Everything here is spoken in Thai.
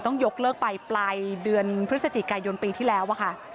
ต้องยกเลิกไปปลายเดือนพฤศจิกายนปีที่แล้วค่ะ